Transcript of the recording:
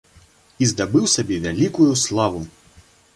І здабыў сабе вялікую славу!